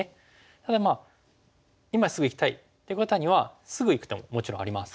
ただ今すぐいきたいっていう方にはすぐいく手ももちろんあります。